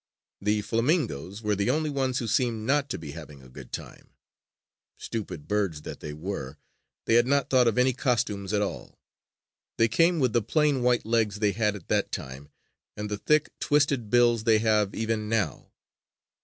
The flamingoes were the only ones who seemed not to be having a good time. Stupid birds that they were, they had not thought of any costumes at all. They came with the plain white legs they had at that time and the thick, twisted bills they have even now.